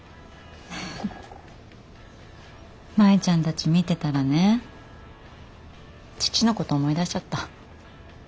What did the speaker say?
舞ちゃんたち見てたらね父のこと思い出しちゃった。